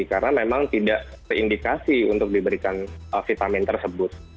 karena memang tidak seindikasi untuk diberikan vitamin tersebut